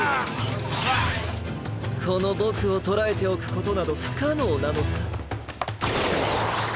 このボクをとらえておくことなどふかのうなのさ。